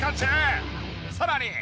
さらに。